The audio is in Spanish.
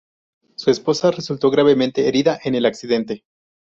Su esposa resultó gravemente herida en el accidente.